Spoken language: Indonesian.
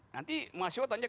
nanti mahasiswa tanya